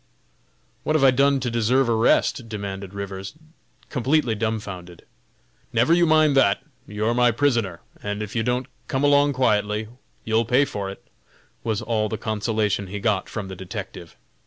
"What have I done to deserve arrest?" demanded Rivers, completely dumbfounded. "Never you mind that! you're my prisoner, and if you don't come along quietly, you'll pay for it!" was all the consolation he got from the detective.